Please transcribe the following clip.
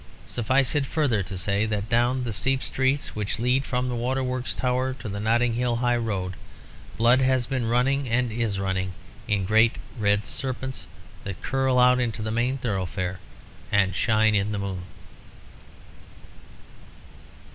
Suffice it further to say that down the steep streets which lead from the Waterworks Tower to the Notting Hill High Road, blood has been running, and is running, in great red serpents, that curl out into the main thoroughfare and shine in the moon.